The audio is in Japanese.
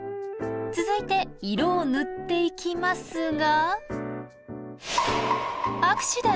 続いて色を塗っていきますが。